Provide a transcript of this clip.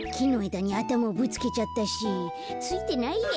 だにあたまをぶつけちゃったしついてないや。